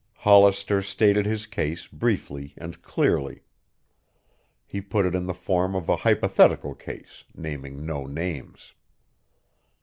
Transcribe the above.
Hollister stated his case briefly and clearly. He put it in the form of a hypothetical case, naming no names.